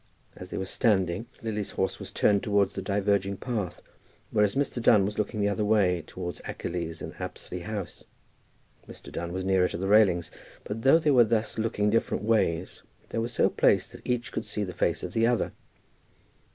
As they were standing, Lily's horse was turned towards the diverging path, whereas Mr. Dunn was looking the other way, towards Achilles and Apsley house. Mr. Dunn was nearer to the railings, but though they were thus looking different ways they were so placed that each could see the face of the other.